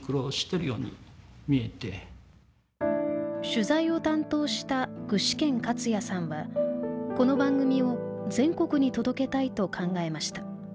取材を担当した具志堅勝也さんはこの番組を全国に届けたいと考えました。